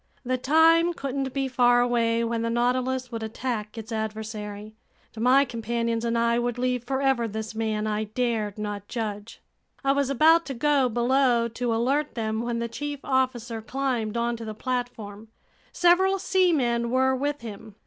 The time couldn't be far away when the Nautilus would attack its adversary, and my companions and I would leave forever this man I dared not judge. I was about to go below to alert them, when the chief officer climbed onto the platform. Several seamen were with him.